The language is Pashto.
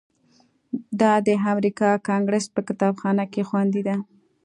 دا د امریکا کانګریس په کتابخانه کې خوندي ده.